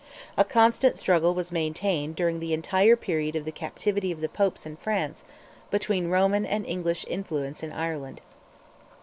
A constant struggle was maintained during the entire period of the captivity of the Popes in France between Roman and English influence in Ireland.